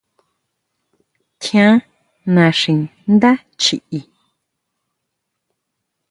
¿Tjián naxi ndá chiʼí?